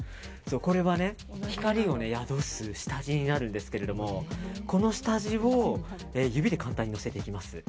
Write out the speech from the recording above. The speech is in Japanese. これは、光を宿す下地になるんですけどもこの下地を指で簡単にのせていきます。